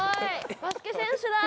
バスケ選手だ。